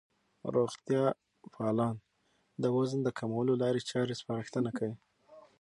روغتیا پالان د وزن د کمولو لارې چارې سپارښتنه کوي.